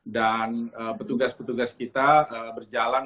dan petugas petugas kita berjalan